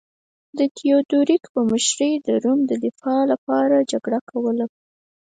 د تیودوریک په مشرۍ د روم دفاع لپاره جګړه کوله